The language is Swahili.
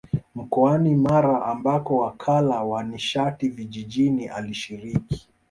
Mkoani Mara ambako Wakala wa Nishati Vijijini alishiriki